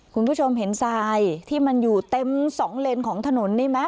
คุณผู้ชมเห็นทรายที่มันอยู่เต็มสองเลนของถนนนี่ไหม